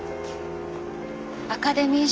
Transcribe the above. アカデミー賞